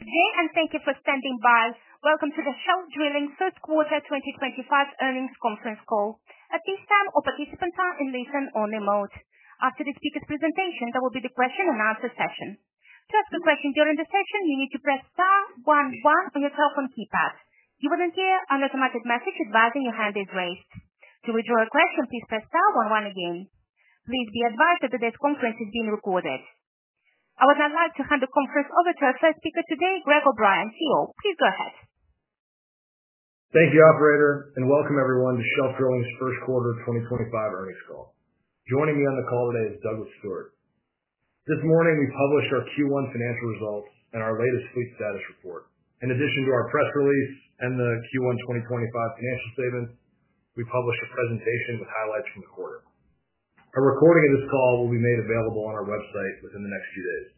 Hey, and thank you for standing by. Welcome to the Shelf Drilling first quarter 2025 earnings conference call. At this time, all participants are in listen-only mode. After the speaker's presentation, there will be the question-and-answer session. To ask a question during the session, you need to press *11 on your telephone keypad. You will then hear an automated message advising your hand is raised. To withdraw a question, please press *11 again. Please be advised that today's conference is being recorded. I would now like to hand the conference over to our first speaker today, Greg O'Brien, CEO. Please go ahead. Thank you, Operator, and welcome everyone to Shelf Drilling's first quarter 2025 earnings call. Joining me on the call today is Douglas Stewart. This morning, we published our Q1 financial results and our latest fleet status report. In addition to our press release and the Q1 2025 financial statements, we published a presentation with highlights from the quarter. A recording of this call will be made available on our website within the next few days.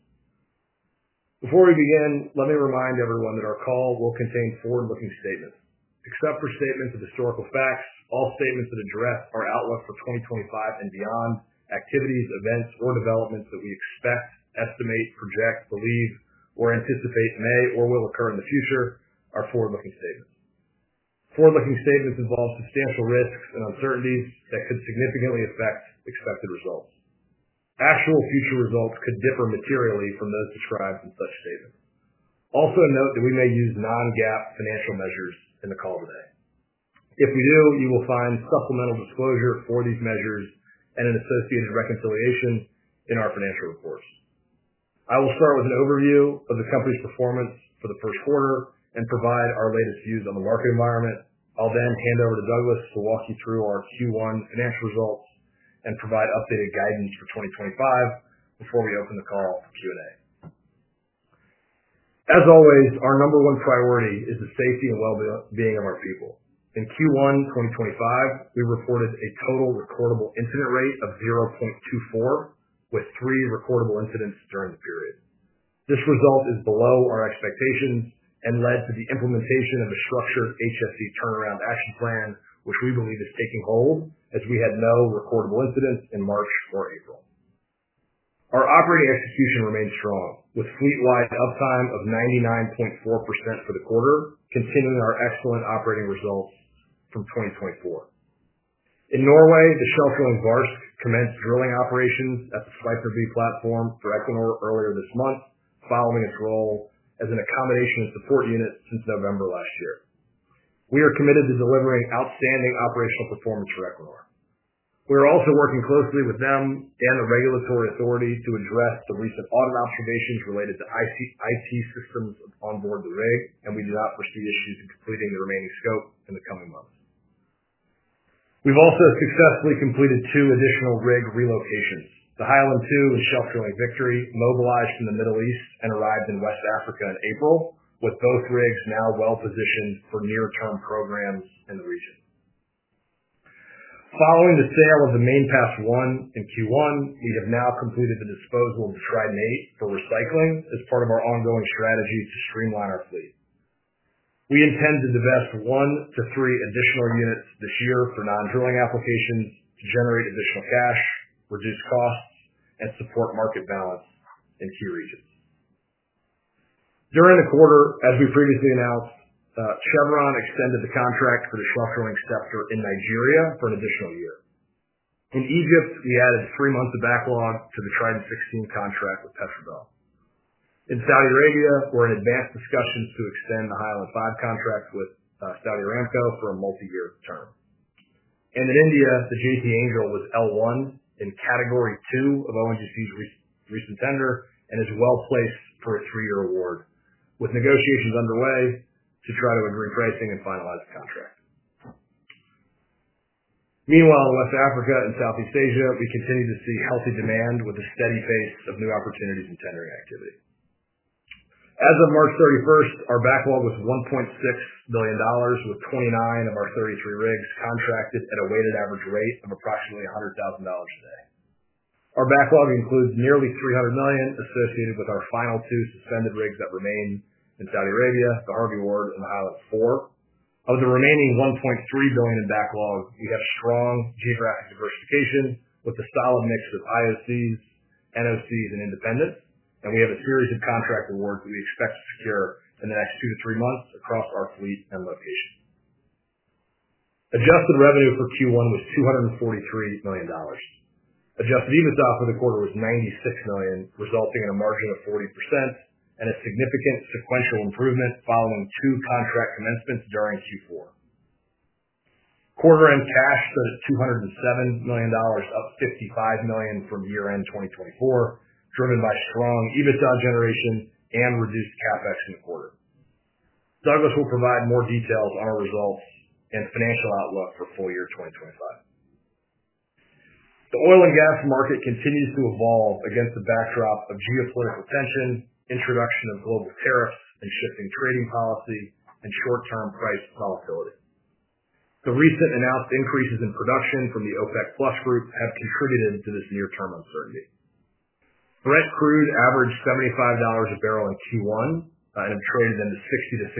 Before we begin, let me remind everyone that our call will contain forward-looking statements. Except for statements of historical facts, all statements that address our outlook for 2025 and beyond, activities, events, or developments that we expect, estimate, project, believe, or anticipate may or will occur in the future are forward-looking statements. Forward-looking statements involve substantial risks and uncertainties that could significantly affect expected results. Actual future results could differ materially from those described in such statements. Also note that we may use non-GAAP financial measures in the call today. If we do, you will find supplemental disclosure for these measures and an associated reconciliation in our financial reports. I will start with an overview of the company's performance for the first quarter and provide our latest views on the market environment. I'll then hand over to Douglas to walk you through our Q1 financial results and provide updated guidance for 2025 before we open the call for Q&A. As always, our number one priority is the safety and well-being of our people. In Q1 2025, we reported a Total Recordable Incident Rate of 0.24, with three recordable incidents during the period. This result is below our expectations and led to the implementation of a structured HSE turnaround action plan, which we believe is taking hold as we had no recordable incidents in March or April. Our operating execution remained strong, with fleet-wide uptime of 99.4% for the quarter, continuing our excellent operating results from 2024. In Norway, the Shelf Drilling Varso commenced drilling operations at the Sleipner B platform for Equinor earlier this month, following its role as an accommodation and support unit since November last year. We are committed to delivering outstanding operational performance for Equinor. We are also working closely with them and the regulatory authority to address the recent audit observations related to IT systems onboard the rig, and we do not foresee issues in completing the remaining scope in the coming months. We've also successfully completed two additional rig relocations. The Highland 2 and Shelf Drilling Victory mobilized from the Middle East and arrived in West Africa in April, with both rigs now well-positioned for near-term programs in the region. Following the sale of the Mainpass I in Q1, we have now completed the disposal of the Trident 8 for recycling as part of our ongoing strategy to streamline our fleet. We intend to divest one to three additional units this year for non-drilling applications to generate additional cash, reduce costs, and support market balance in key regions. During the quarter, as we previously announced, Chevron extended the contract for the Shelf Drilling Sentinel in Nigeria for an additional year. In Egypt, we added three months of backlog to the Trident 16 contract with Petrobel. In Saudi Arabia, we're in advanced discussions to extend the Highland 5 contract with Saudi Aramco for a multi-year term. In India, the JT Angel was L1 in category two of ONGC's recent tender and is well-placed for a three-year award, with negotiations underway to try to agree pricing and finalize the contract. Meanwhile, in West Africa and Southeast Asia, we continue to see healthy demand with a steady pace of new opportunities in tendering activity. As of March 31, our backlog was $1.6 billion, with 29 of our 33 rigs contracted at a weighted average rate of approximately $100,000 today. Our backlog includes nearly $300 million associated with our final two suspended rigs that remain in Saudi Arabia, the Harvey Ward and the Highland 4. Of the remaining $1.3 billion in backlog, we have strong geographic diversification with a solid mix of IOCs, NOCs, and independents, and we have a series of contract awards that we expect to secure in the next two to three months across our fleet and location. Adjusted revenue for Q1 was $243 million. Adjusted EBITDA for the quarter was $96 million, resulting in a margin of 40% and a significant sequential improvement following two contract commencements during Q4. Quarter-end cash set at $207 million, up $55 million from year-end 2024, driven by strong EBITDA generation and reduced CapEx in the quarter. Douglas will provide more details on our results and financial outlook for full year 2025. The oil and gas market continues to evolve against the backdrop of geopolitical tension, introduction of global tariffs, and shifting trading policy and short-term price volatility. The recent announced increases in production from the OPEC Plus group have contributed to this near-term uncertainty. Brent crude averaged $75 a barrel in Q1 and have traded in the $60-$65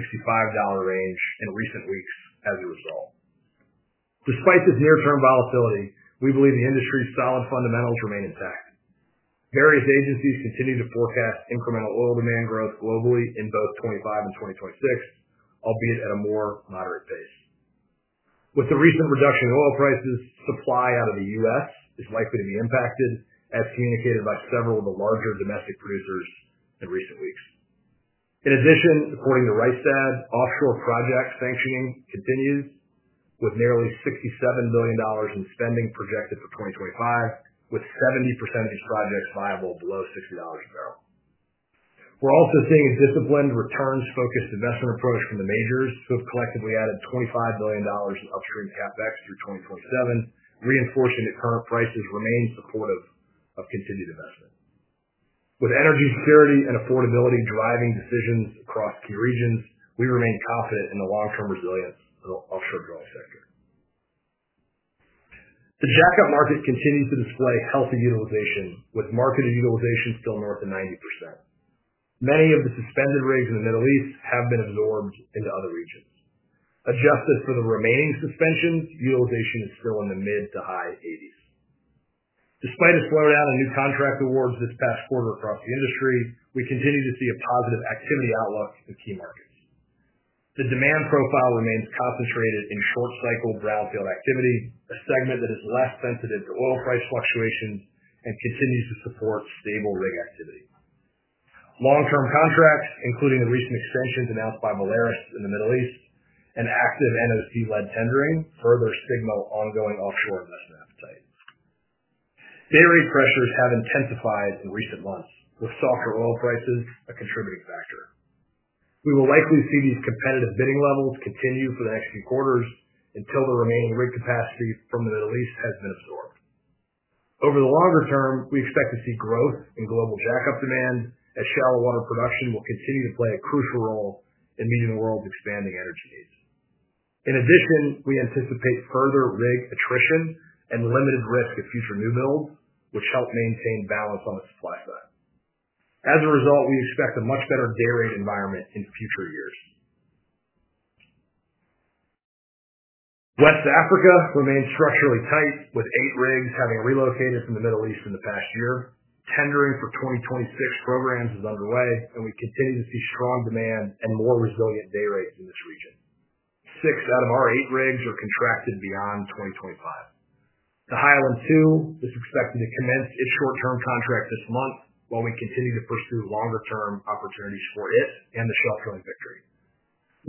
range in recent weeks as a result. Despite this near-term volatility, we believe the industry's solid fundamentals remain intact. Various agencies continue to forecast incremental oil demand growth globally in both 2025 and 2026, albeit at a more moderate pace. With the recent reduction in oil prices, supply out of the U.S. is likely to be impacted, as communicated by several of the larger domestic producers in recent weeks. In addition, according to Rystad, offshore project sanctioning continues, with nearly $67 billion in spending projected for 2025, with 70% of these projects viable below $60 a barrel. We're also seeing a disciplined, returns-focused investment approach from the majors, who have collectively added $25 billion in upstream CapEx through 2027, reinforcing that current prices remain supportive of continued investment. With energy security and affordability driving decisions across key regions, we remain confident in the long-term resilience of the offshore drilling sector. The jack-up market continues to display healthy utilization, with market utilization still north of 90%. Many of the suspended rigs in the Middle East have been absorbed into other regions. Adjusted for the remaining suspensions, utilization is still in the mid to high 80%. Despite a slowdown in new contract awards this past quarter across the industry, we continue to see a positive activity outlook in key markets. The demand profile remains concentrated in short-cycle brownfield activity, a segment that is less sensitive to oil price fluctuations and continues to support stable rig activity. Long-term contracts, including the recent extensions announced by Valaris in the Middle East and active NOC-led tendering, further signal ongoing offshore investment appetite. Day rate pressures have intensified in recent months, with softer oil prices a contributing factor. We will likely see these competitive bidding levels continue for the next few quarters until the remaining rig capacity from the Middle East has been absorbed. Over the longer term, we expect to see growth in global jack-up demand as shallow water production will continue to play a crucial role in meeting the world's expanding energy needs. In addition, we anticipate further rig attrition and limited risk of future new builds, which help maintain balance on the supply side. As a result, we expect a much better day-rate environment in future years. West Africa remains structurally tight, with eight rigs having relocated from the Middle East in the past year. Tendering for 2026 programs is underway, and we continue to see strong demand and more resilient day rates in this region. Six out of our eight rigs are contracted beyond 2025. The Highland 2 is expected to commence its short-term contract this month, while we continue to pursue longer-term opportunities for it and the Shelf Drilling Victory.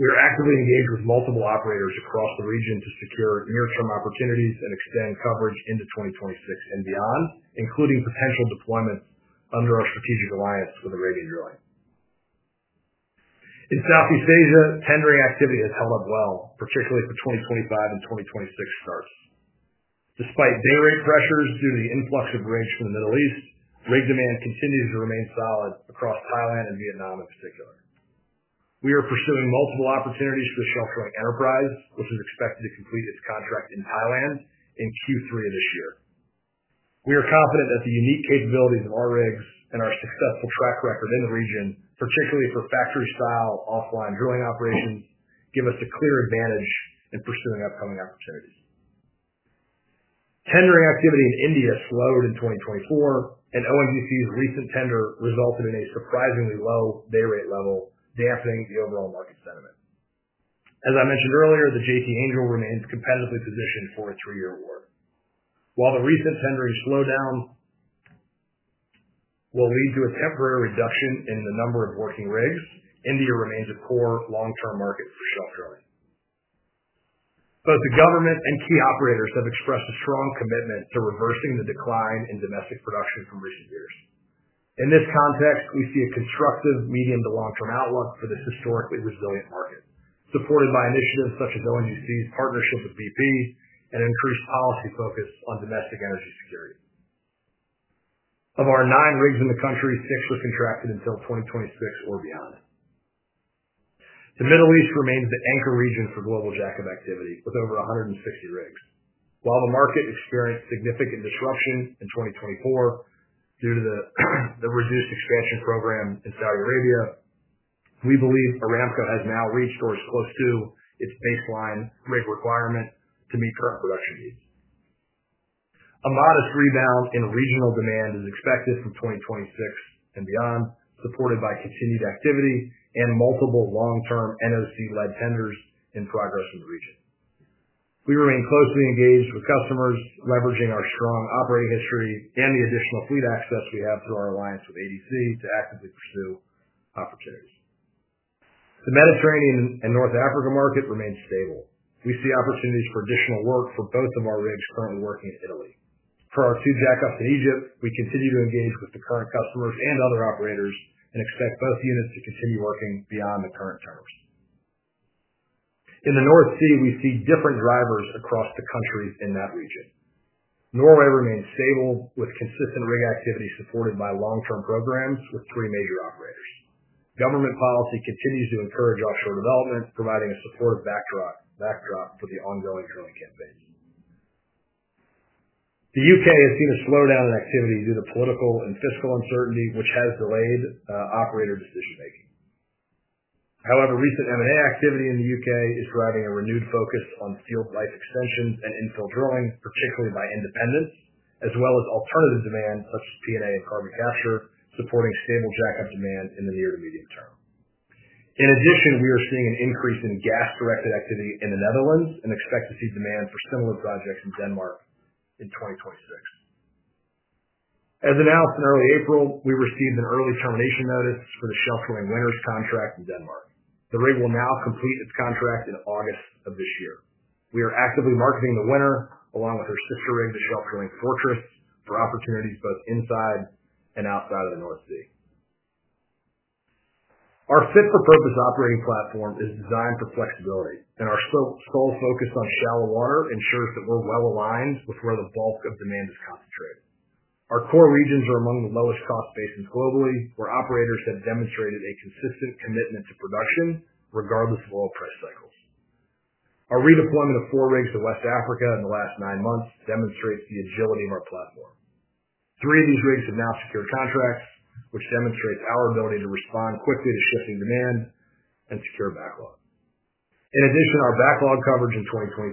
We are actively engaged with multiple operators across the region to secure near-term opportunities and extend coverage into 2026 and beyond, including potential deployments under our strategic alliance with Arabian Drilling Company. In Southeast Asia, tendering activity has held up well, particularly for 2025 and 2026 starts. Despite day rate pressures due to the influx of rigs from the Middle East, rig demand continues to remain solid across Thailand and Vietnam in particular. We are pursuing multiple opportunities for the Shelf Drilling Enterprise, which is expected to complete its contract in Thailand in Q3 of this year. We are confident that the unique capabilities of our rigs and our successful track record in the region, particularly for factory-style offline drilling operations, give us a clear advantage in pursuing upcoming opportunities. Tendering activity in India slowed in 2024, and ONGC's recent tender resulted in a surprisingly low day rate level, dampening the overall market sentiment. As I mentioned earlier, the JT Angel remains competitively positioned for a three-year award. While the recent tendering slowdown will lead to a temporary reduction in the number of working rigs, India remains a core long-term market for Shelf Drilling. Both the government and key operators have expressed a strong commitment to reversing the decline in domestic production from recent years. In this context, we see a constructive medium to long-term outlook for this historically resilient market, supported by initiatives such as ONGC's partnership with BP and increased policy focus on domestic energy security. Of our nine rigs in the country, six were contracted until 2026 or beyond. The Middle East remains the anchor region for global jack-up activity, with over 160 rigs. While the market experienced significant disruption in 2024 due to the reduced expansion program in Saudi Arabia, we believe Aramco has now reached or is close to its baseline rig requirement to meet current production needs. A modest rebound in regional demand is expected from 2026 and beyond, supported by continued activity and multiple long-term NOC-led tenders in progress in the region. We remain closely engaged with customers, leveraging our strong operating history and the additional fleet access we have through our alliance with ADC to actively pursue opportunities. The Mediterranean and North Africa market remains stable. We see opportunities for additional work for both of our rigs currently working in Italy. For our two jack-ups in Egypt, we continue to engage with the current customers and other operators and expect both units to continue working beyond the current terms. In the North Sea, we see different drivers across the country in that region. Norway remains stable, with consistent rig activity supported by long-term programs with three major operators. Government policy continues to encourage offshore development, providing a supportive backdrop for the ongoing drilling campaigns. The U.K. has seen a slowdown in activity due to political and fiscal uncertainty, which has delayed operator decision-making. However, recent M&A activity in the U.K. is driving a renewed focus on field life extensions and infill drilling, particularly by independents, as well as alternative demand such as P&A and carbon capture, supporting stable jack-up demand in the near to medium term. In addition, we are seeing an increase in gas-directed activity in the Netherlands and expect to see demand for similar projects in Denmark in 2026. As announced in early April, we received an early termination notice for the Shelf Drilling Winner contract in Denmark. The rig will now complete its contract in August of this year. We are actively marketing the Winner, along with her sister rig, the Shelf Drilling Fortress, for opportunities both inside and outside of the North Sea. Our fit-for-purpose operating platform is designed for flexibility, and our sole focus on shallow water ensures that we're well aligned with where the bulk of demand is concentrated. Our core regions are among the lowest cost basins globally, where operators have demonstrated a consistent commitment to production, regardless of oil price cycles. Our redeployment of four rigs to West Africa in the last nine months demonstrates the agility of our platform. Three of these rigs have now secured contracts, which demonstrates our ability to respond quickly to shifting demand and secure backlog. In addition, our backlog coverage in 2025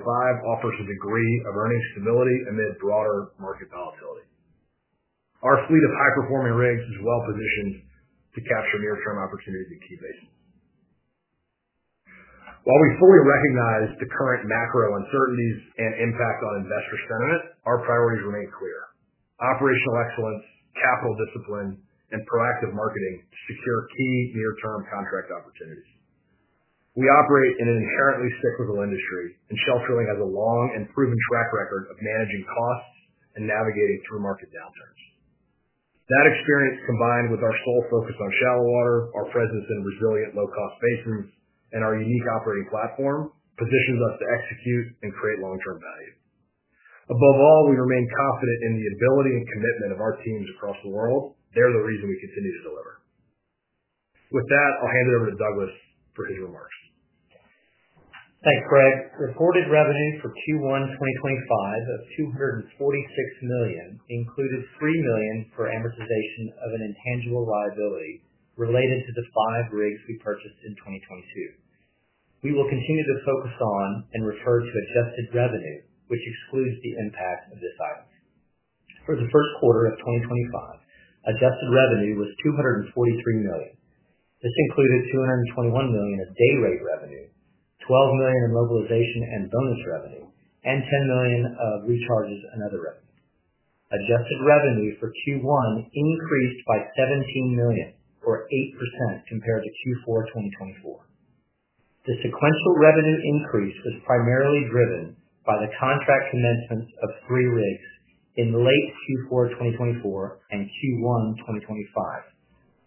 offers a degree of earnings stability amid broader market volatility. Our fleet of high-performing rigs is well positioned to capture near-term opportunities in key basins. While we fully recognize the current macro uncertainties and impact on investor sentiment, our priorities remain clear. Operational excellence, capital discipline, and proactive marketing secure key near-term contract opportunities. We operate in an inherently cyclical industry, and Shelf Drilling has a long and proven track record of managing costs and navigating through market downturns. That experience, combined with our sole focus on shallow water, our presence in resilient low-cost basins, and our unique operating platform, positions us to execute and create long-term value. Above all, we remain confident in the ability and commitment of our teams across the world. They're the reason we continue to deliver. With that, I'll hand it over to Douglas for his remarks. Thanks, Greg. Reported revenue for Q1 2025 of $246 million included $3 million for amortization of an intangible liability related to the five rigs we purchased in 2022. We will continue to focus on and refer to adjusted revenue, which excludes the impact of this item. For the first quarter of 2025, adjusted revenue was $243 million. This included $221 million of day-rate revenue, $12 million in mobilization and bonus revenue, and $10 million of recharges and other revenue. Adjusted revenue for Q1 increased by $17 million, or 8%, compared to Q4 2024. The sequential revenue increase was primarily driven by the contract commencements of three rigs in late Q4 2024 and Q1 2025.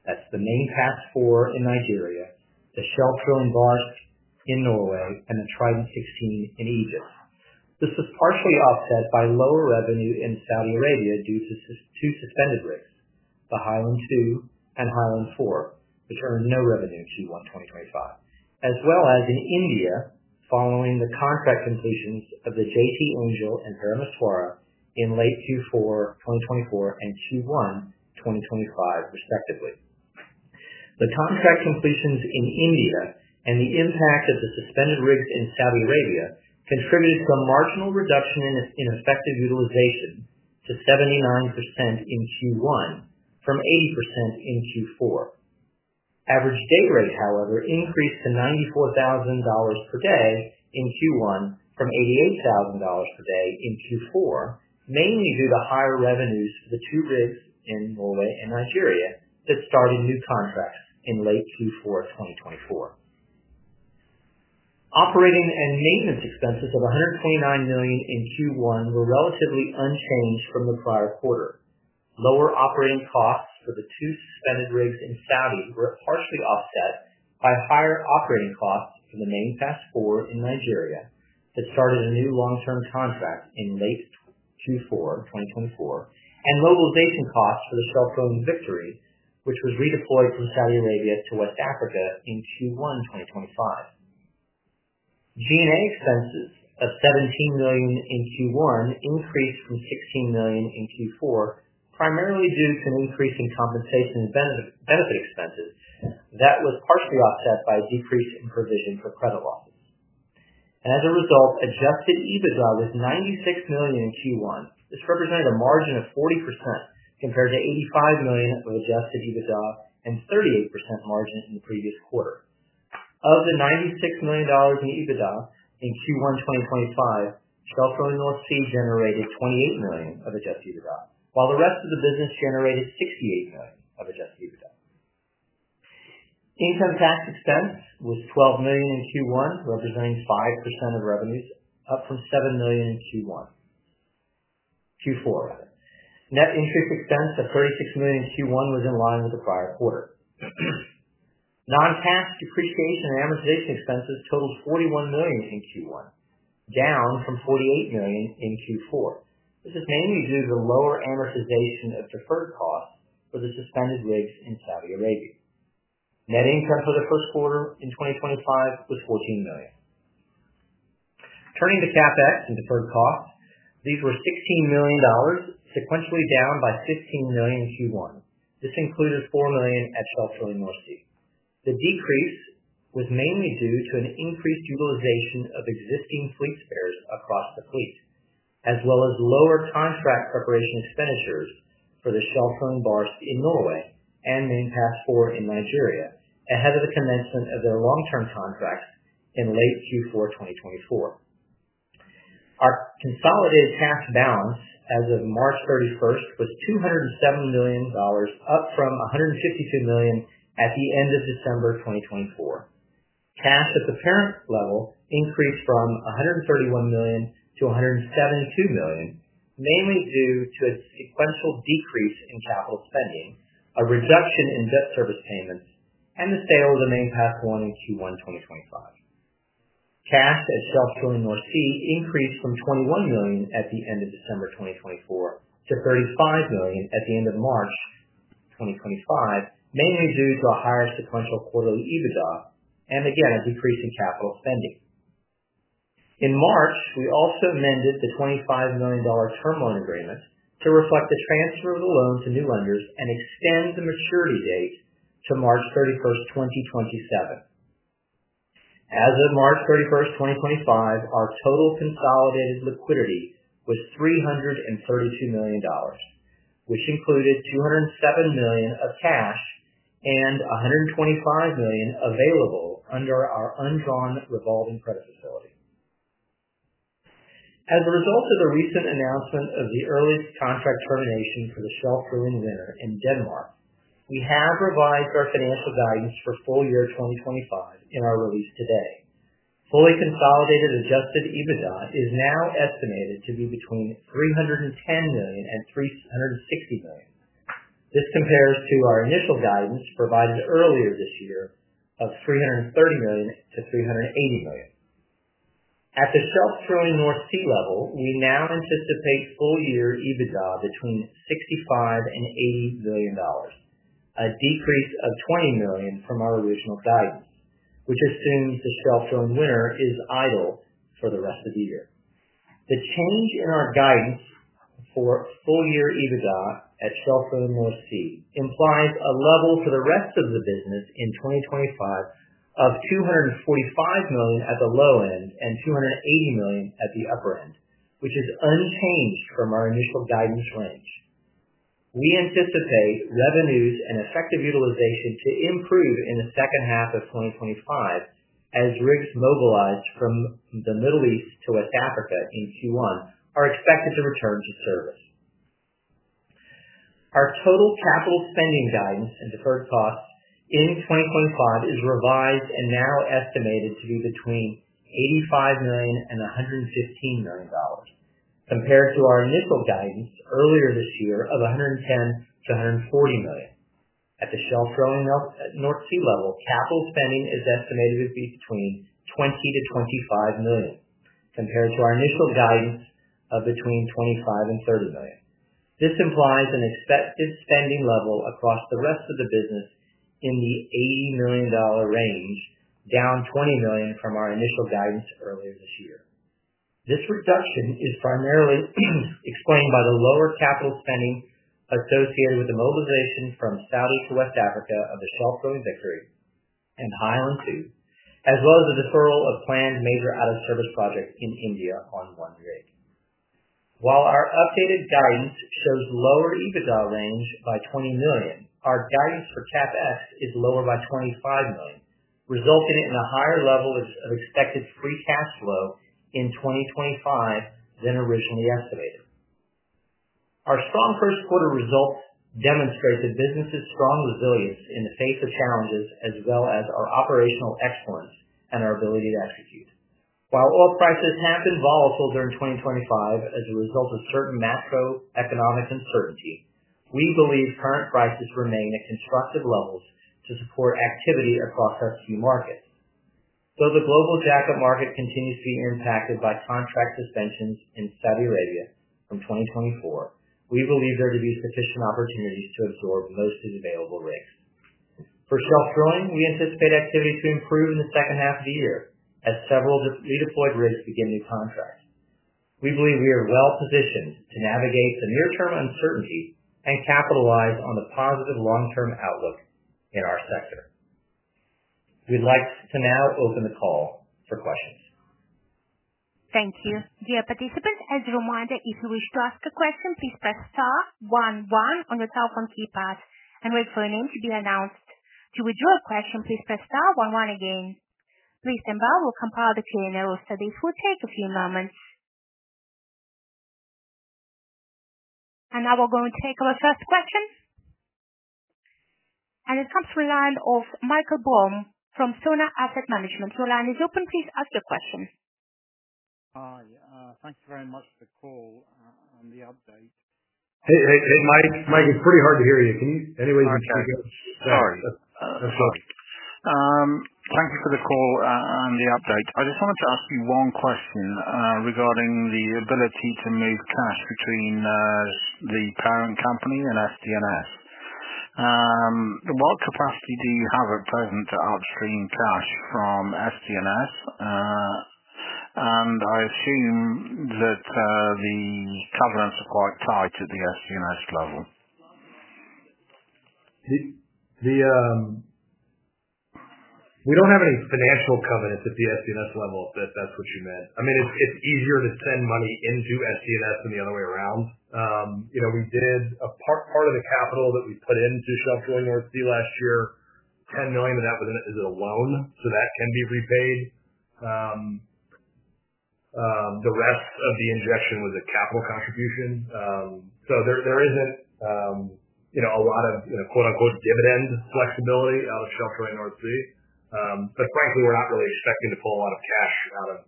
That's the Main Pass IV in Nigeria, the Shelf Drilling Barsk in Norway, and the Trident 16 in Egypt. This was partially offset by lower revenue in Saudi Arabia due to two suspended rigs, the Highland 2 and Highland 4, which earned no revenue Q1 2025, as well as in India following the contract completions of the JT Angel and Vermithor in late Q4 2024 and Q1 2025, respectively. The contract completions in India and the impact of the suspended rigs in Saudi Arabia contributed to a marginal reduction in effective utilization to 79% in Q1 from 80% in Q4. Average day rate, however, increased to $94,000 per day in Q1 from $88,000 per day in Q4, mainly due to higher revenues for the two rigs in Norway and Nigeria that started new contracts in late Q4 2024. Operating and maintenance expenses of $129 million in Q1 were relatively unchanged from the prior quarter. Lower operating costs for the two suspended rigs in Saudi Arabia were partially offset by higher operating costs for the Main Pass IV in Nigeria that started a new long-term contract in late Q4 2024, and mobilization costs for the Shelf Drilling Victory, which was redeployed from Saudi Arabia to West Africa in Q1 2025. G&A expenses of $17 million in Q1 increased from $16 million in Q4, primarily due to an increase in compensation and benefit expenses that was partially offset by a decrease in provision for credit losses. As a result, adjusted EBITDA was $96 million in Q1. This represented a margin of 40% compared to $85 million of adjusted EBITDA and 38% margin in the previous quarter. Of the $96 million in EBITDA in Q1 2025, Shelf Drilling (North Sea) generated $28 million of adjusted EBITDA, while the rest of the business generated $68 million of adjusted EBITDA. Income tax expense was $12 million in Q1, representing 5% of revenues, up from $7 million in Q4. Net interest expense of $36 million in Q1 was in line with the prior quarter. Non-cash depreciation and amortization expenses totaled $41 million in Q1, down from $48 million in Q4. This is mainly due to the lower amortization of deferred costs for the suspended rigs in Saudi Arabia. Net income for the first quarter in 2025 was $14 million. Turning to CapEx and deferred costs, these were $16 million, sequentially down by $15 million in Q1. This included $4 million at Shelf Drilling North Sea. The decrease was mainly due to an increased utilization of existing fleet spares across the fleet, as well as lower contract preparation expenditures for the Shelf Drilling Barsk in Norway and Main Pass IV in Nigeria ahead of the commencement of their long-term contracts in late Q4 2024. Our consolidated cash balance as of March 31 was $207 million, up from $152 million at the end of December 2024. Cash at the parent level increased from $131 million to $172 million, mainly due to a sequential decrease in capital spending, a reduction in debt service payments, and the sale of the Main Pass I in Q1 2025. Cash at Shelf Drilling North Sea increased from $21 million at the end of December 2024 to $35 million at the end of March 2025, mainly due to a higher sequential quarterly EBITDA and, again, a decrease in capital spending. In March, we also amended the $25 million term loan agreement to reflect the transfer of the loan to new lenders and extend the maturity date to March 31, 2027. As of March 31, 2025, our total consolidated liquidity was $332 million, which included $207 million of cash and $125 million available under our undrawn revolving credit facility. As a result of the recent announcement of the early contract termination for the Shelf Drilling Winner in Denmark, we have revised our financial guidance for full year 2025 in our release today. Fully consolidated adjusted EBITDA is now estimated to be between $310 million and $360 million. This compares to our initial guidance provided earlier this year of $330 million to $380 million. At the Shelf Drilling North Sea level, we now anticipate full year EBITDA between $65 million and $80 million, a decrease of $20 million from our original guidance, which assumes the Shelf Drilling Winner is idle for the rest of the year. The change in our guidance for full year EBITDA at Shelf Drilling North Sea implies a level for the rest of the business in 2025 of $245 million at the low end and $280 million at the upper end, which is unchanged from our initial guidance range. We anticipate revenues and effective utilization to improve in the second half of 2025 as rigs mobilized from the Middle East to West Africa in Q1 are expected to return to service. Our total capital spending guidance and deferred costs in 2025 is revised and now estimated to be between $85 million and $115 million, compared to our initial guidance earlier this year of $110 million-$140 million. At the Shelf Drilling North Sea level, capital spending is estimated to be between $20 million-$25 million, compared to our initial guidance of between $25 million-$30 million. This implies an expected spending level across the rest of the business in the $80 million range, down $20 million from our initial guidance earlier this year. This reduction is primarily explained by the lower capital spending associated with the mobilization from Saudi Arabia to West Africa of the Shelf Drilling Victory and Highland 2, as well as the deferral of planned major out-of-service projects in India on one rig. While our updated guidance shows lower EBITDA range by $20 million, our guidance for CapEx is lower by $25 million, resulting in a higher level of expected free cash flow in 2025 than originally estimated. Our strong first quarter results demonstrate the business's strong resilience in the face of challenges, as well as our operational excellence and our ability to execute. While oil prices have been volatile during 2025 as a result of certain macroeconomic uncertainty, we believe current prices remain at constructive levels to support activity across a few markets. Though the global jack-up market continues to be impacted by contract suspensions in Saudi Arabia from 2024, we believe there to be sufficient opportunities to absorb most of the available rigs. For Shelf Drilling, we anticipate activity to improve in the second half of the year as several redeployed rigs begin new contracts. We believe we are well positioned to navigate the near-term uncertainty and capitalize on the positive long-term outlook in our sector. We'd like to now open the call for questions. Thank you. Dear participants, as a reminder, if you wish to ask a question, please press *11 on your telephone keypad and wait for your name to be announced. To withdraw a question, please press *11 again. Mr. Mbau, we'll compile the Q&A roster. This will take a few moments. Now we're going to take our first question. It comes from the line of Michael Boam from Sona Asset Management. Your line is open. Please ask your question. Hi. Thank you very much for the call and the update. Hey, hey, hey, Mike. Mike, it's pretty hard to hear you. Anyway, can you speak up? Sorry. Thank you for the call and the update. I just wanted to ask you one question regarding the ability to move cash between the parent company and SD&S. What capacity do you have at present to upstream cash from SD&S? I assume that the covenants are quite tight at the SD&S level. We do not have any financial covenants at the SD&S level, if that's what you meant. I mean, it's easier to send money into SD&S than the other way around. We did a part of the capital that we put into Shelf Drilling North Sea last year, $10 million, but that was a loan, so that can be repaid. The rest of the injection was a capital contribution. There isn't a lot of "dividend flexibility" out of Shelf Drilling North Sea. Frankly, we're not really expecting to pull a lot of cash out of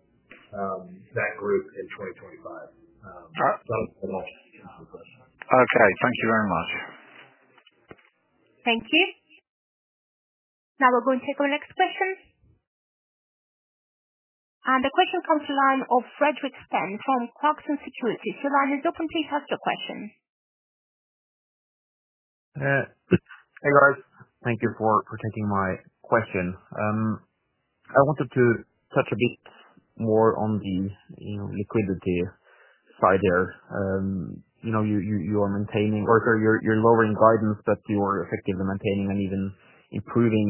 that group in 2025. I don't have any questions. Okay. Thank you very much. Thank you. Now we're going to take our next question. The question comes from the line of Fredrik Stene from Clarksons Securities. Your line is open. Please ask your question. Hey, guys. Thank you for taking my question. I wanted to touch a bit more on the liquidity side there. You are maintaining or you are lowering guidance, but you are effectively maintaining and even improving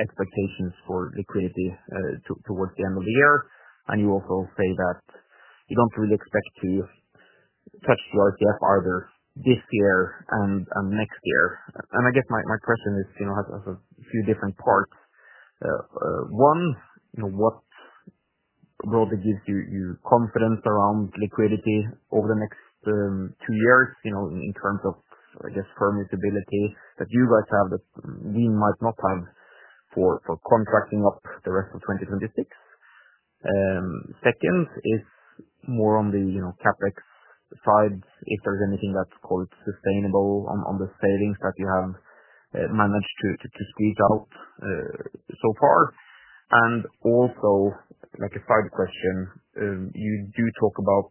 expectations for liquidity towards the end of the year. You also say that you do not really expect to touch the RCF either this year or next year. I guess my question has a few different parts. One, what broadly gives you confidence around liquidity over the next two years in terms of, I guess, firm usability that you guys have that we might not have for contracting up the rest of 2026? Second is more on the CapEx side, if there is anything that is called sustainable on the savings that you have managed to squeeze out so far. Also, like a side question, you do talk about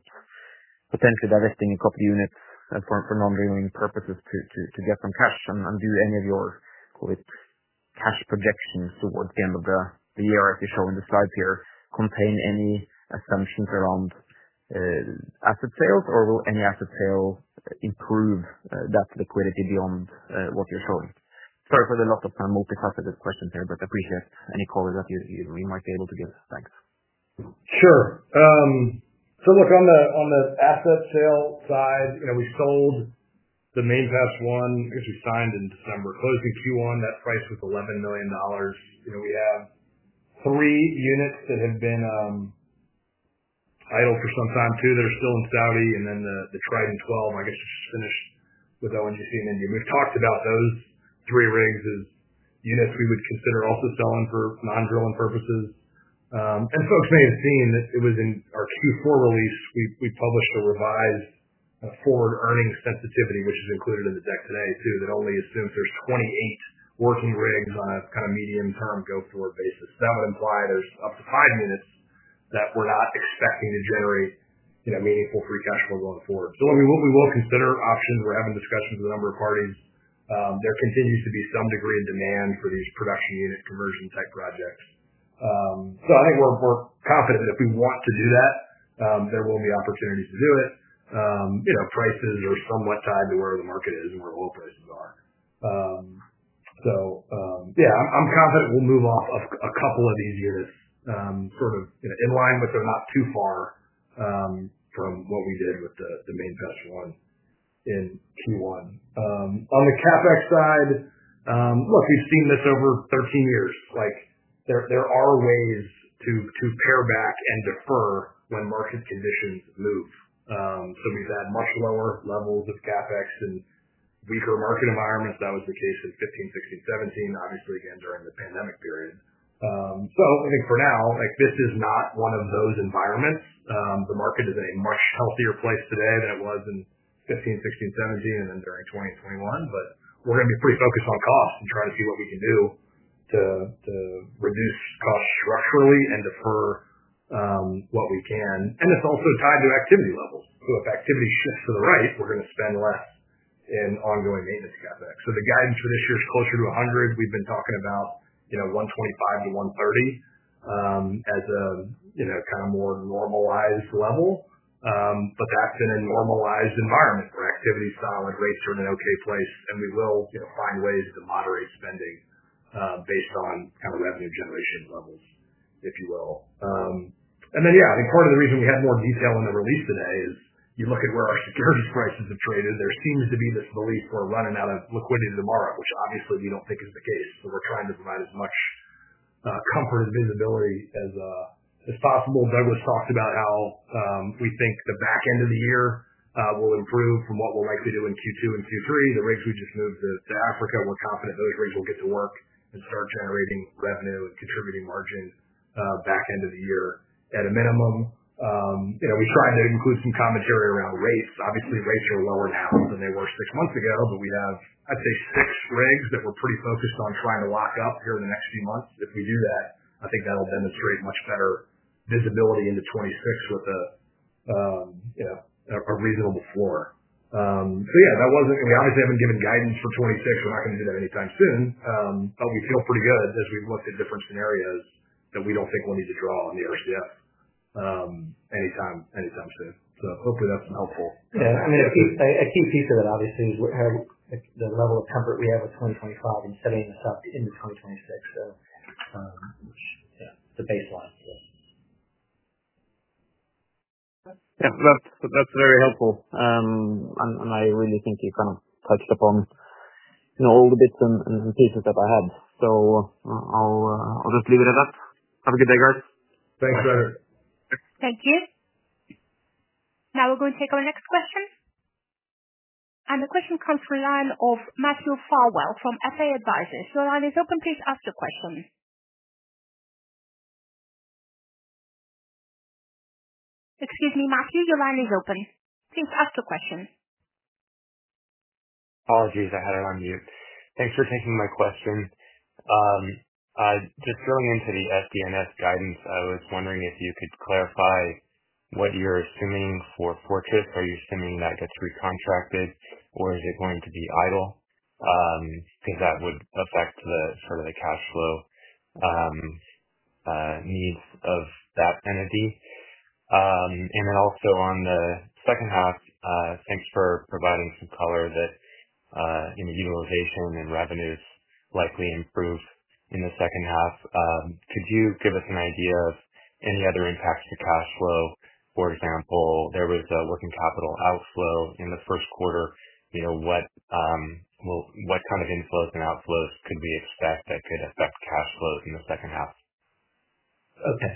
potentially divesting a couple of units for non-drilling purposes to get some cash. Do any of your COVID cash projections towards the end of the year, as you're showing the slides here, contain any assumptions around asset sales, or will any asset sale improve that liquidity beyond what you're showing? Sorry for the lot of my multifaceted questions here, but I appreciate any comment that you might be able to give. Thanks. Sure. Look, on the asset sale side, we sold the Main Pass I. I guess we signed in December, closing Q1. That price was $11 million. We have three units that have been idle for some time too that are still in Saudi, and then the Trident 12, I guess, which is finished with ONGC in India. We've talked about those three rigs as units we would consider also selling for non-drilling purposes. Folks may have seen that it was in our Q4 release. We published a revised forward earnings sensitivity, which is included in the deck today too, that only assumes there's 28 working rigs on a kind of medium-term go-forward basis. That would imply there's up to five units that we're not expecting to generate meaningful free cash flow going forward. We will consider options, we're having discussions with a number of parties. There continues to be some degree of demand for these production unit conversion type projects. I think we're confident that if we want to do that, there will be opportunities to do it. Prices are somewhat tied to where the market is and where oil prices are. Yeah, I'm confident we'll move off a couple of these units sort of in line, but they're not too far from what we did with the Main Pass 1 in Q1. On the CapEx side, look, we've seen this over 13 years. There are ways to pare back and defer when market conditions move. We've had much lower levels of CapEx in weaker market environments. That was the case in 2015, 2016, 2017, obviously, again, during the pandemic period. I think for now, this is not one of those environments. The market is in a much healthier place today than it was in 2015, 2016, 2017, and then during 2021. We're going to be pretty focused on cost and trying to see what we can do to reduce costs structurally and defer what we can. It's also tied to activity levels. If activity shifts to the right, we're going to spend less in ongoing maintenance CapEx. The guidance for this year is closer to $100 million. We've been talking about $125 million-$130 million as a kind of more normalized level. That's in a normalized environment where activity is solid, rates are in an okay place, and we will find ways to moderate spending based on kind of revenue generation levels, if you will. I think part of the reason we had more detail in the release today is you look at where our securities prices have traded, there seems to be this belief we're running out of liquidity tomorrow, which obviously we don't think is the case. We're trying to provide as much comfort and visibility as possible. Douglas talked about how we think the back end of the year will improve from what we'll likely do in Q2 and Q3. The rigs we just moved to Africa, we're confident those rigs will get to work and start generating revenue and contributing margin back end of the year at a minimum. We tried to include some commentary around rates. Obviously, rates are lower now than they were six months ago, but we have, I'd say, six rigs that we're pretty focused on trying to lock up here in the next few months. If we do that, I think that'll demonstrate much better visibility into 2026 with a reasonable floor. Yeah, that wasn't we obviously haven't given guidance for 2026. We're not going to do that anytime soon. We feel pretty good as we've looked at different scenarios that we do not think we'll need to draw on the RCF anytime soon. Hopefully that's helpful. Yeah. I mean, a key piece of it, obviously, is the level of comfort we have with 2025 in setting this up into 2026, which, yeah, the baseline. Yeah. That's very helpful. I really think you kind of touched upon all the bits and pieces that I had. I'll just leave it at that. Have a good day, guys. Thanks, Fredrik. Thank you. Now we're going to take our next question. The question comes from the line of Matthew Farwell from FA Advisors. Your line is open. Please ask your question. Excuse me, Matthew, your line is open. Please ask your question. Apologies. I had it on mute. Thanks for taking my question. Just drilling into the SD&S guidance, I was wondering if you could clarify what you're assuming for Fortress. Are you assuming that gets recontracted, or is it going to be idle? Because that would affect sort of the cash flow needs of that entity. Also, on the second half, thanks for providing some color that utilization and revenues likely improve in the second half. Could you give us an idea of any other impacts to cash flow? For example, there was a working capital outflow in the first quarter. What kind of inflows and outflows could we expect that could affect cash flows in the second half? Okay.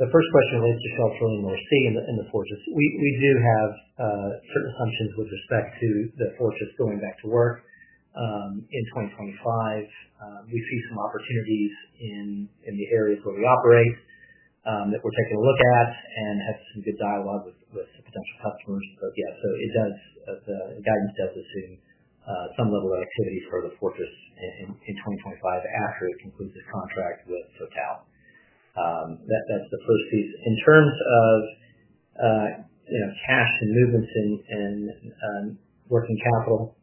The first question relates to Shelf Drilling North Sea and the Fortress. We do have certain assumptions with respect to the Fortress going back to work in 2025. We see some opportunities in the areas where we operate that we're taking a look at and have some good dialogue with potential customers. Yeah, the guidance does assume some level of activity for the Fortress in 2025 after it concludes its contract with Total. That's the first piece. In terms of cash and movements and working capital,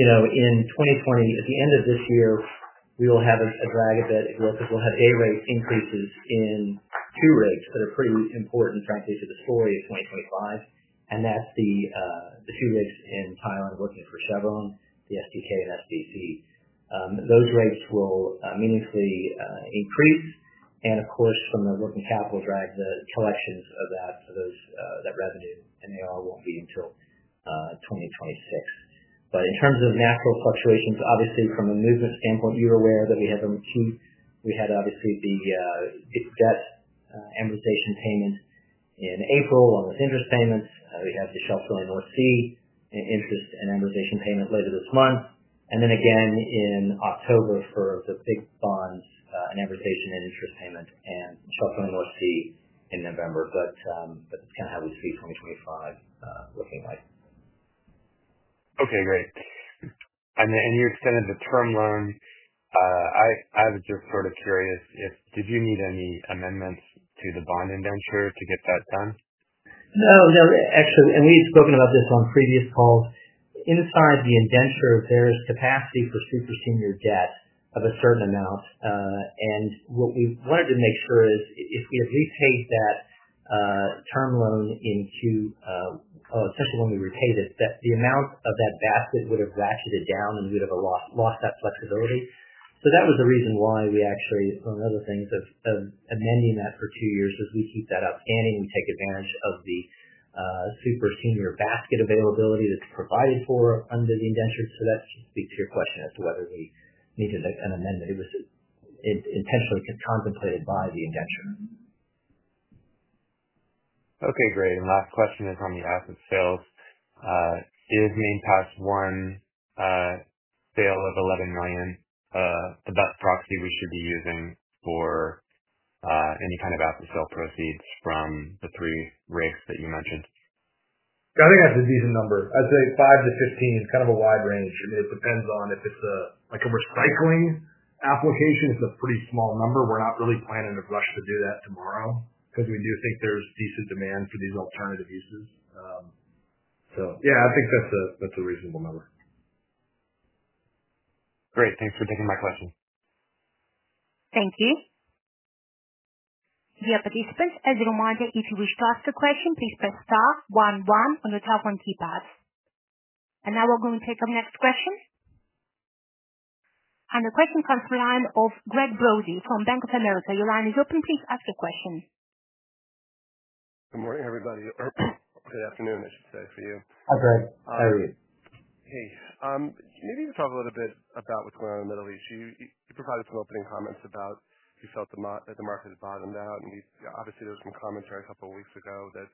in 2025, at the end of this year, we will have a drag a bit because we'll have rate increases in two rates that are pretty important, frankly, to the story of 2025. That's the two rigs in Thailand working for Chevron, the SDK and SDC. Those rates will meaningfully increase. Of course, from the working capital drag, the collections of that revenue, they all won't be until 2026. In terms of natural fluctuations, obviously, from a movement standpoint, you're aware that we have a key, we had, obviously, the debt amortization payment in April along with interest payments. We have the Shelf Drilling North Sea interest and amortization payment later this month. Again in October for the big bonds and amortization and interest payment and Shelf Drilling North Sea in November. That's kind of how we see 2025 looking like . Okay. Great. In your extended-term loan, I was just sort of curious if did you need any amendments to the bond indenture to get that done? No, no. Actually, we had spoken about this on previous calls. Inside the indenture, there is capacity for super senior debt of a certain amount. What we wanted to make sure is if we had repaid that term loan in Q, especially when we repaid it, that the amount of that basket would have ratcheted down and we would have lost that flexibility. That was the reason why we actually, among other things, are amending that for two years as we keep that up. We take advantage of the super senior basket availability that is provided for under the indenture. That speaks to your question as to whether we needed an amendment. It was intentionally contemplated by the indenture. Okay. Great. Last question is on the asset sales. Is main pass one sale of $11 million the best proxy we should be using for any kind of asset sale proceeds from the three rigs that you mentioned? Yeah. I think that is a decent number. I'd say 5-15, kind of a wide range. I mean, it depends on if it's a recycling application. It's a pretty small number. We're not really planning to rush to do that tomorrow because we do think there's decent demand for these alternative uses. Yeah, I think that's a reasonable number. Great. Thanks for taking my question. Thank you. Yeah. Participants, as you are reminded, if you wish to ask a question, please press star 11 on your telephone keypads. Now we're going to take our next question. The question comes from the line of Gregg Brody from Bank of America. Your line is open. Please ask your question. Good morning, everybody. Or good afternoon, I should say, for you. Hi, Greg. How are you? Hey. Maybe you could talk a little bit about what's going on in the Middle East. You provided some opening comments about you felt that the market had bottomed out. Obviously, there was some commentary a couple of weeks ago that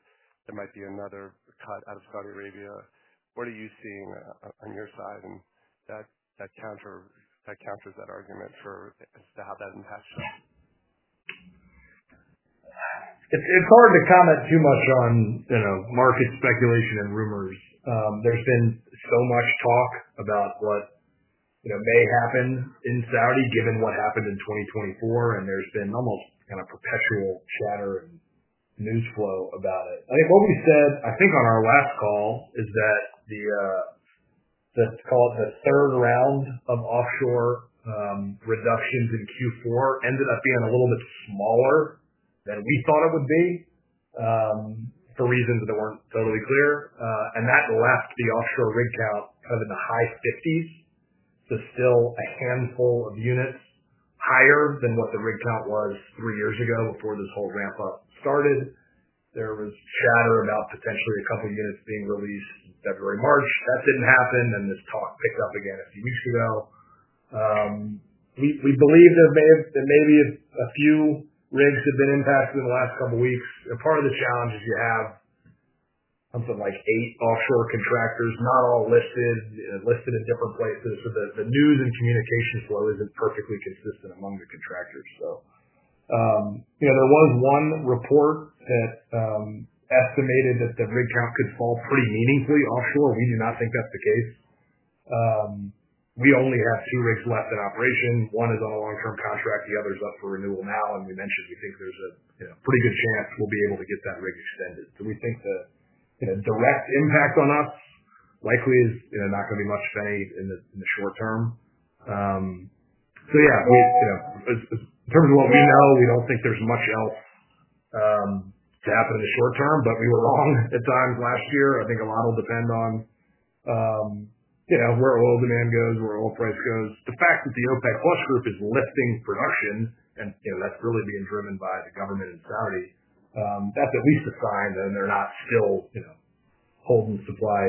there might be another cut out of Saudi Arabia. What are you seeing on your side? That counters that argument as to how that impacts you. It's hard to comment too much on market speculation and rumors. There's been so much talk about what may happen in Saudi given what happened in 2024. There's been almost kind of perpetual chatter and news flow about it. I think what we said, I think on our last call, is that the, let's call it the third round of offshore reductions in Q4 ended up being a little bit smaller than we thought it would be for reasons that weren't totally clear. That left the offshore rig count kind of in the high 50s. Still a handful of units higher than what the rig count was three years ago before this whole ramp-up started. There was chatter about potentially a couple of units being released in February, March. That did not happen. This talk picked up again a few weeks ago. We believe there may be a few rigs that have been impacted in the last couple of weeks. Part of the challenge is you have something like eight offshore contractors, not all listed in different places. The news and communication flow is not perfectly consistent among the contractors. There was one report that estimated that the rig count could fall pretty meaningfully offshore. We do not think that is the case. We only have two rigs left in operation. One is on a long-term contract. The other is up for renewal now. We mentioned we think there's a pretty good chance we'll be able to get that rig extended. We think the direct impact on us likely is not going to be much of any in the short term. Yeah, in terms of what we know, we don't think there's much else to happen in the short term, but we were wrong at times last year. I think a lot will depend on where oil demand goes, where oil price goes. The fact that the OPEC Plus group is lifting production and that's really being driven by the government in Saudi, that's at least a sign that they're not still holding supply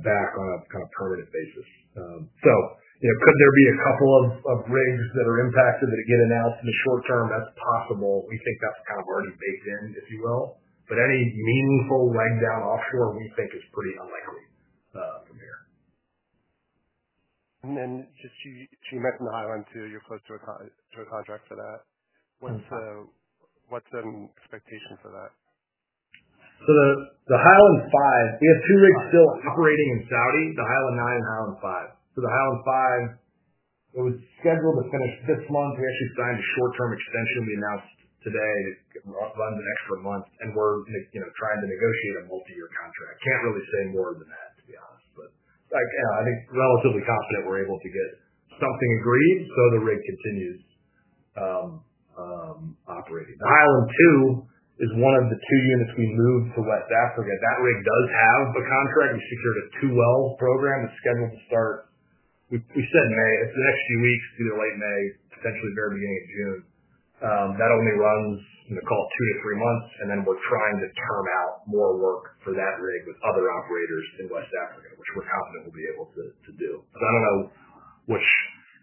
back on a kind of permanent basis. Could there be a couple of rigs that are impacted that get announced in the short term? That's possible. We think that's kind of already baked in, if you will. Any meaningful leg down offshore, we think, is pretty unlikely from here. You mentioned the Highland 2. You're close to a contract for that. What's an expectation for that? The Highland 5, we have two rigs still operating in Saudi, the Highland 9 and Highland 5. The Highland 5 was scheduled to finish this month. We actually signed a short-term extension we announced today that runs an extra month. We're trying to negotiate a multi-year contract. Can't really say more than that, to be honest. I think relatively confident we're able to get something agreed so the rig continues operating. The Highland 2 is one of the two units we moved to West Africa. That rig does have a contract. We secured a two-well program that's scheduled to start. We said May. It's the next few weeks, either late May, potentially very beginning of June. That only runs, call it two to three months. Then we're trying to term out more work for that rig with other operators in West Africa, which we're confident we'll be able to do. I don't know which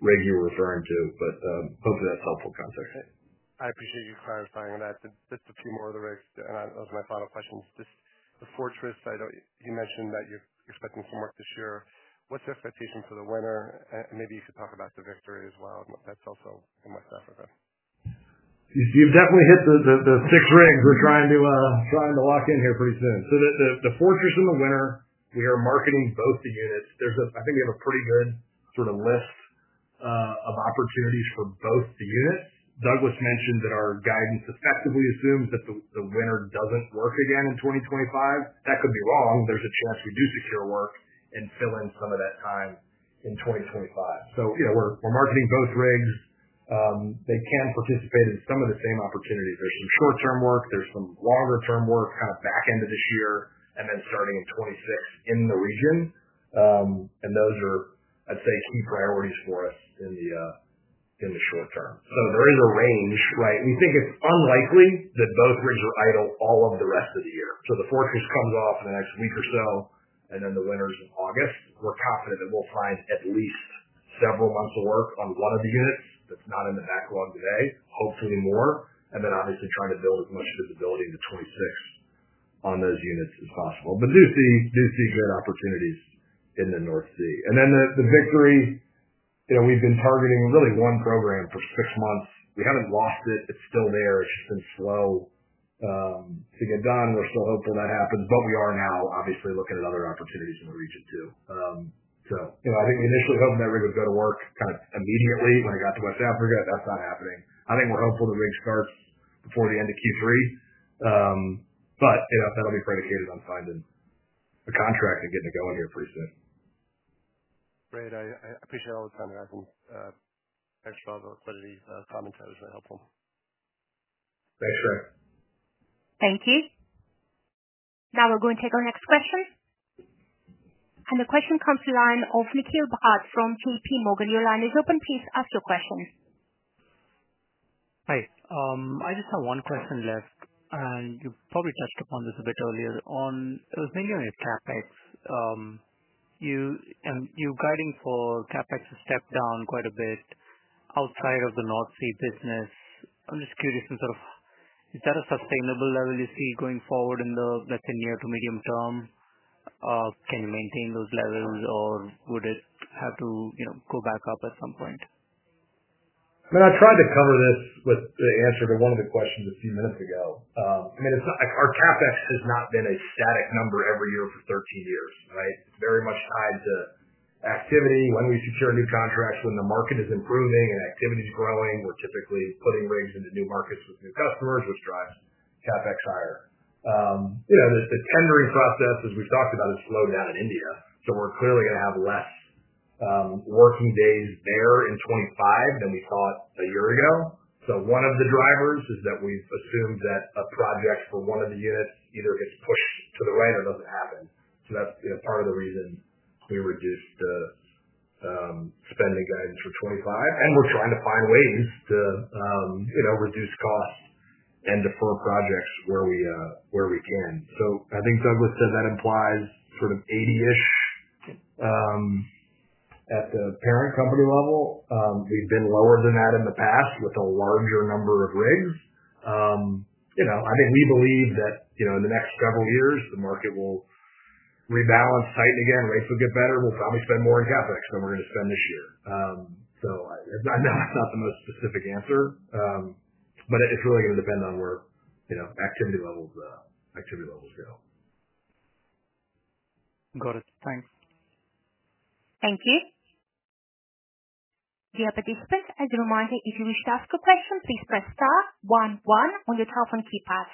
rig you're referring to, but hopefully that's helpful context. I appreciate you clarifying that. Just a few more of the rigs. That was my final question. Just the Fortress, you mentioned that you're expecting some work this year. What's your expectation for the Winner? Maybe you could talk about the Victory as well. That's also in West Africa. You've definitely hit the six rigs we're trying to lock in here pretty soon. The Fortress and the Winner, we are marketing both the units. I think we have a pretty good sort of list of opportunities for both the units. Douglas mentioned that our guidance effectively assumes that the Winner does not work again in 2025. That could be wrong. There is a chance we do secure work and fill in some of that time in 2025. We are marketing both rigs. They can participate in some of the same opportunities. There is some short-term work. There is some longer-term work kind of back into this year and then starting in 2026 in the region. Those are, I would say, key priorities for us in the short term. There is a range, right? We think it is unlikely that both rigs are idle all of the rest of the year. The Fortress comes off in the next week or so, and then the Winner is in August. We're confident that we'll find at least several months of work on one of the units that's not in the backlog today, hopefully more. Obviously, trying to build as much visibility into 2026 on those units as possible. Do see good opportunities in the North Sea. The Victory, we've been targeting really one program for six months. We haven't lost it. It's still there. It's just been slow to get done. We're still hopeful that happens. We are now, obviously, looking at other opportunities in the region too. I think we initially hoped that rig would go to work kind of immediately when it got to West Africa. That's not happening. I think we're hopeful the rig starts before the end of Q3. That'll be predicated on finding a contract and getting it going here pretty soon. Great. I appreciate all the time you're asking. Thanks for all the liquidity comments. That was really helpful. Thanks, Greg. Thank you. Now we're going to take our next question. The question comes from the line of Nikhil Bhat from JP Morgan. Your line is open. Please ask your question. Hi. I just have one question left. You probably touched upon this a bit earlier. It was mainly on your CapEx. You're guiding for CapEx to step down quite a bit outside of the North Sea business. I'm just curious in sort of, is that a sustainable level you see going forward in the, let's say, near to medium term? Can you maintain those levels, or would it have to go back up at some point? I mean, I tried to cover this with the answer to one of the questions a few minutes ago. I mean, our CapEx has not been a static number every year for 13 years, right? Very much tied to activity. When we secure new contracts, when the market is improving and activity is growing, we're typically putting rigs into new markets with new customers, which drives CapEx higher. The tendering process, as we've talked about, has slowed down in India. We are clearly going to have less working days there in 2025 than we thought a year ago. One of the drivers is that we've assumed that a project for one of the units either gets pushed to the right or does not happen. That is part of the reason we reduced the spending guidance for 2025. We are trying to find ways to reduce costs and defer projects where we can. I think Douglas said that implies sort of 80-ish at the parent company level. We've been lower than that in the past with a larger number of rigs. I think we believe that in the next several years, the market will rebalance, tighten again, rates will get better. We'll probably spend more in CapEx than we're going to spend this year. I know it's not the most specific answer, but it's really going to depend on where activity levels go. Got it. Thanks. Thank you. Dear participants, as a reminder, if you wish to ask a question, please press star 11 on your telephone keypad.